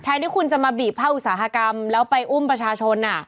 ที่คุณจะมาบีบภาคอุตสาหกรรมแล้วไปอุ้มประชาชน